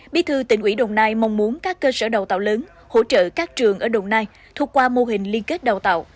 bí thư tỉnh ủy đồng nai mong muốn các cơ sở đào tạo lớn hỗ trợ các trường ở đồng nai thuộc qua mô hình liên kết đào tạo